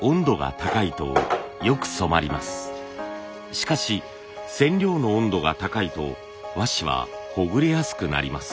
しかし染料の温度が高いと和紙はほぐれやすくなります。